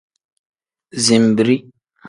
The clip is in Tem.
Zinbiri.